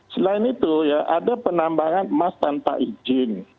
selain itu ya ada penambangan emas tanpa izin